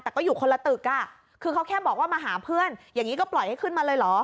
แต่ก็อยู่คนละตึกอ่ะคือเขาแค่บอกว่ามาหาเพื่อนอย่างนี้ก็ปล่อยให้ขึ้นมาเลยเหรอ